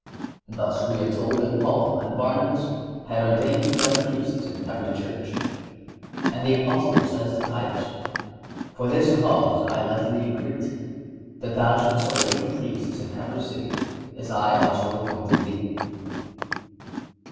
Thus we are told that Paul and Barnabas "had ordained for them priests in every church."(75) And the Apostle says to Titus: "For this cause I left thee in Crete, ... that thou shouldst ordain Priests in every city, as I also appointed thee."